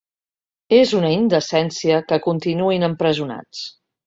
És una indecència que continuïn empresonats.